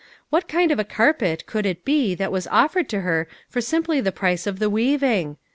What kind of a car pet could it be that was offered to her for simply the price of the weaving